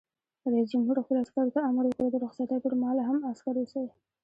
رئیس جمهور خپلو عسکرو ته امر وکړ؛ د رخصتۍ پر مهال هم، عسکر اوسئ!